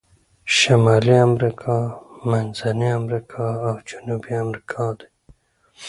شمالي امریکا، منځنۍ امریکا او جنوبي امریکا دي.